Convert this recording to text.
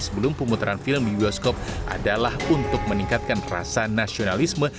sebelum pemutaran film di bioskop adalah untuk meningkatkan rasa nasionalisme